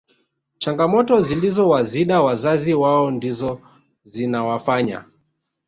changamoto zilizowazida wazazi wao ndizo zinawafanya